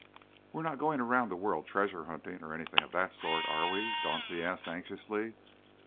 "We're not going around the world treasure hunting, or anything of that sort, are we?" Dauncey asked anxiously.